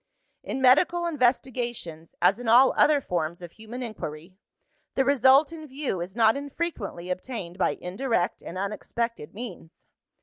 "In medical investigations, as in all other forms of human inquiry, the result in view is not infrequently obtained by indirect and unexpected means.